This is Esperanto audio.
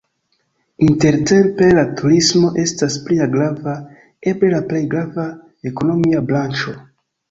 Intertempe la turismo estas plia grava, eble la plej grava, ekonomia branĉo.